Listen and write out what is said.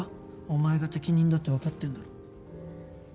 お前が適任だってわかってるだろ。